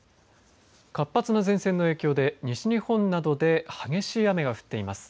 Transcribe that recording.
活発な前線の影響で、西日本などで、激しい雨が降っています。